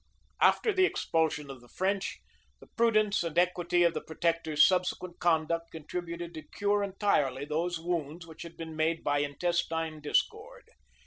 After the expulsion of the French, the prudence and equity of the protector's subsequent conduct contributed to cure entirely those wounds which had been made by intestine discord.